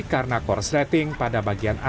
karena kors rating pada bagiannya